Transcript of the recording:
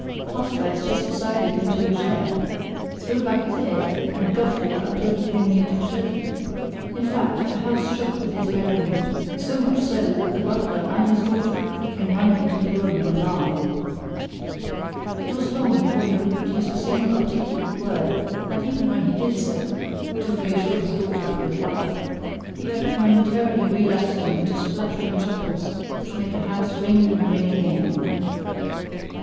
Half dressed, he subsided into a chair, threw back his head, and guffawed until he came near to choking. In fact, the house shook with his merriment, so much so that the butler and his daughter came running into the room in alarm. It was long before he could produce a single articulate word; and even when he did so (to reassure his daughter and the butler) he kept momentarily relapsing into spluttering chuckles which made the house ring and ring again.